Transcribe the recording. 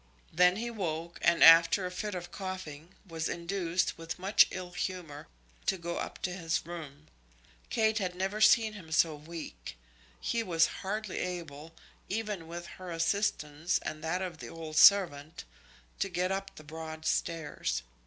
Then he woke, and after a fit of coughing, was induced, with much ill humour, to go up to his room. Kate had never seen him so weak. He was hardly able, even with her assistance and that of the old servant, to get up the broad stairs.